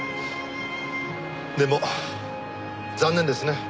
でも残念ですね。